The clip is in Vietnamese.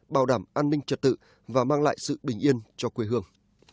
bảo đảm an ninh trật tự và mang lại sự bình yên cho quê hương